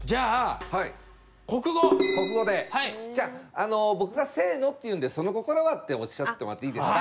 じゃあ僕が「せの！」って言うんで「その心は？」っておっしゃってもらっていいですか？